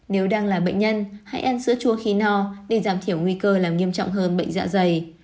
nếu đang là bệnh nhân hãy ăn sữa chua khí no để giảm thiểu nguy cơ làm nghiêm trọng hơn bệnh dạ dày